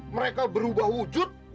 mereka berubah wujud